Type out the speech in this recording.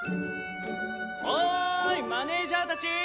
おいマネージャー達！